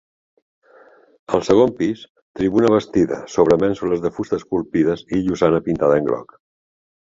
Al segon pis tribuna bastida sobre mènsules de fusta esculpides i llosana pintada en groc.